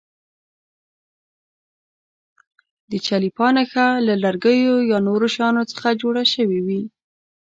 د چلیپا نښه له لرګیو یا نورو شیانو څخه جوړه شوې وي.